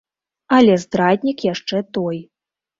Але здраднік яшчэ той.